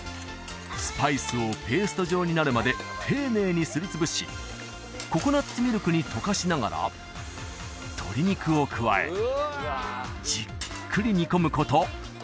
スパイスをペースト状になるまで丁寧にすり潰しココナッツミルクに溶かしながら鶏肉を加えじっくり煮込むこと